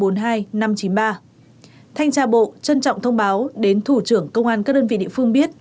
thanh tra bộ trân trọng thông báo đến thủ trưởng công an các đơn vị địa phương biết